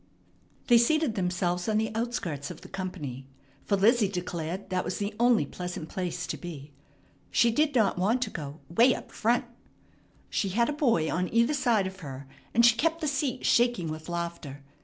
They seated themselves on the outskirts of the company, for Lizzie declared that was the only pleasant place to be. She did not want to go "way up front." She had a boy on either side of her, and she kept the seat shaking with laughter.